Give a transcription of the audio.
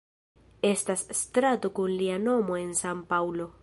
Estas strato kun lia nomo en San-Paŭlo.